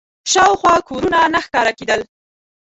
شاوخوا کورونه نه ښکاره کېدل.